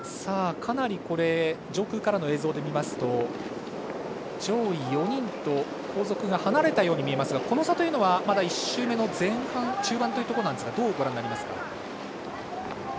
上空からの映像で見ますと上位４人と後続が離れたように見えますがこの差というのはまだ１周目の前半、中盤ですがどうご覧になりますか？